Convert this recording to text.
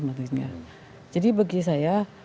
menteri jadi bagi saya